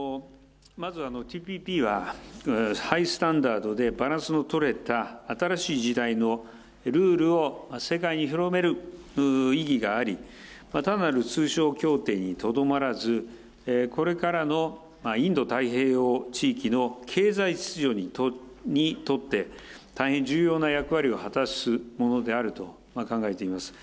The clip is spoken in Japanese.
まず、ＴＰＰは、ハイスタンダードでバランスの取れた新しい時代のルールを世界に広める意義があり、単なる通商協定にとどまらず、これからのインド太平洋地域の経済秩序にとって、大変重要な役割を果たすものであると考えています。